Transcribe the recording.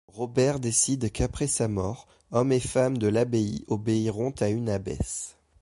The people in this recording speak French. Robert décide qu’après sa mort hommes et femmes de l'abbaye obéiront à une abbesse.